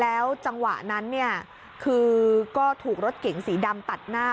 แล้วจังหวะนั้นเนี่ยคือก็ถูกรถเก๋งสีดำตัดหน้า